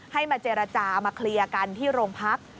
ให้มาเจรจามาเคลียร์กันที่โรงพัก